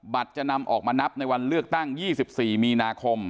จะนำออกมานับในวันเลือกตั้ง๒๔มีนาคม